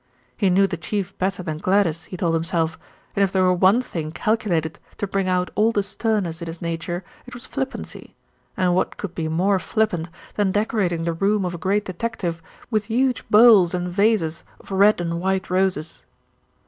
He knew the Chief better than Gladys, he told himself, and if there were one thing calculated to bring out all the sternness in his nature it was flippancy, and what could be more flippant than decorating the room of a great detective with huge bowls and vases of red and white roses.